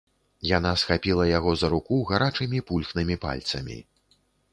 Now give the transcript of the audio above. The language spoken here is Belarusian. Яна схапіла яго за руку гарачымі пульхнымі пальцамі.